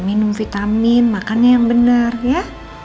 minum vitamin makannya yang benar ya